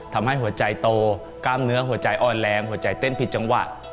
ทำให้หัวใจโตกล้ามเนื้อหัวใจอ่อนแรงหัวใจเต้นผิดจังหวะ